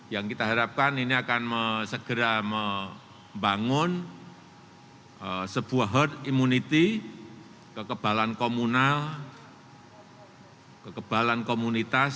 yang kita harapkan ini akan segera membangun sebuah herd immunity kekebalan komunal kekebalan komunitas